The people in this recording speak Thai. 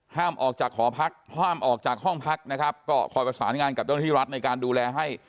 ห้ามออกจากหอพักห้ามออกจากห้องพักนะครับก็คอยประสานงานกับเจ้าหน้าที่รัฐในการดูแลให้